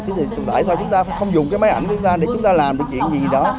chứ thì tại sao chúng ta không dùng cái máy ảnh của chúng ta để chúng ta làm được chuyện gì đó